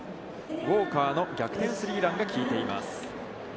ウォーカーの逆転スリーランがきいています。